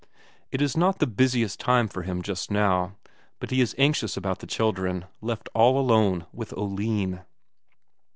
It is not the busiest time for him just now, but he is anxious about the children, left all alone with Oline.